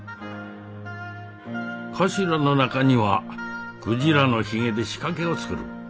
頭の中にはクジラのヒゲで仕掛けを作る。